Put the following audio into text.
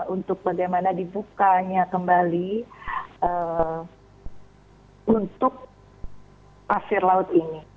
untuk bagaimana dibukanya kembali untuk pasir laut ini